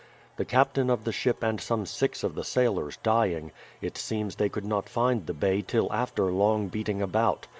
The captain of the ship and some six of the sailors dying, it seems they could not find the bay till after long beating about.